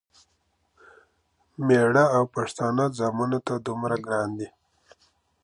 مېړه او پښتانه ځامنو ته دومره ګران دی،